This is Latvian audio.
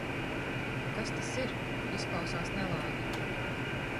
Kas tas ir? Izklausās nelāgi.